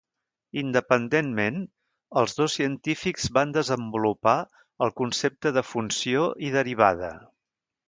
Independentment, els dos científics van desenvolupar el concepte de funció i derivada.